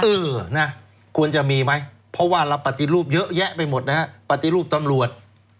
เออนะควรจะมีไหมเพราะว่าเราปฏิรูปเยอะแยะไปหมดนะฮะปฏิรูปตำรวจ